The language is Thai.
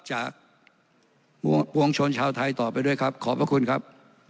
จากปวงชนชาวไทยต่อไปด้วยครับขอบพระคุณครับ